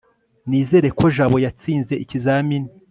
nizere ko jabo yatsinze ikizamini